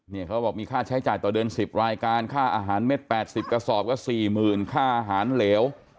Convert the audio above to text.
เขาบอกมีค่าใช้จ่ายต่อเดือน๑๐รายการค่าอาหารเม็ด๘๐กระสอบก็๔๐๐๐ค่าอาหารเหลว